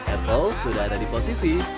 apple sudah ada di posisi